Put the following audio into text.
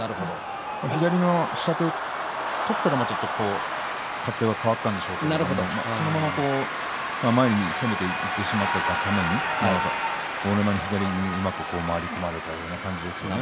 左の下手を取ったらちょっと変わったんだと思いますが、そのまま前に攻めていってしまったために豪ノ山にうまく左に回り込まれた感じですね。